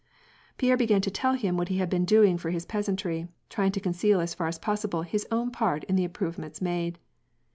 Pierre began to tell him what he had been doing for his peasantry, trying to conceal as far as possible, his own part in the improvements made.